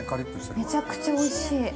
めちゃくちゃおいしい。